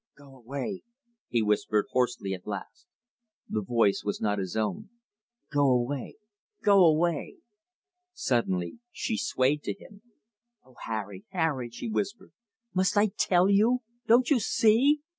"Go away!" he whispered hoarsely at last. The voice was not his own. "Go away! Go away!" Suddenly she swayed to him. "Oh, Harry, Harry," she whispered, "must I TELL you? Don't you SEE?"